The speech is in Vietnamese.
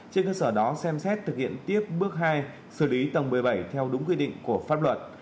trên cơ sở đó xem xét thực hiện tiếp bước hai xử lý tầng một mươi bảy theo đúng quy định của pháp luật